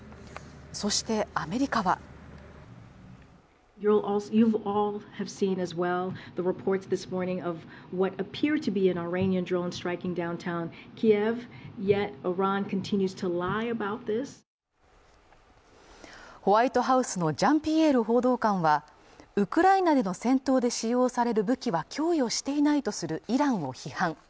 そしてアメリカはホワイトハウスのジャンピエール報道官はウクライナでの戦闘で使用される武器は供与していないとするイランを批判